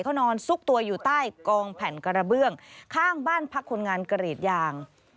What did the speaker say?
เขานอนซุกตัวอยู่ใต้กองแผ่นกระเบื้องข้างบ้านพักคนงานกรีดยาง